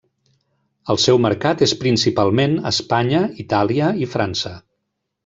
El seu mercat és principalment Espanya, Itàlia i França.